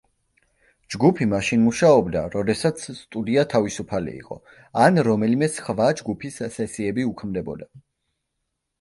ჯგუფი მაშინ მუშაობდა, როდესაც სტუდია თავისუფალი იყო ან რომელიმე სხვა ჯგუფის სესიები უქმდებოდა.